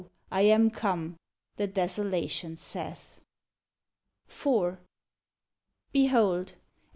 I am come!" the Desolation saith. IV Behold